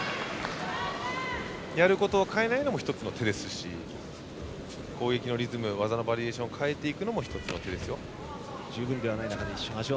やることを変えないのも１つの手ですし攻撃のリズム技のバリエーションを変えていくのも１つの手ですよ。